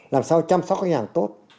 làm sao chăm sóc khách hàng tốt